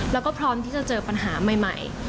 แล้วก็พร้อมที่จะเจอปัญหาใหม่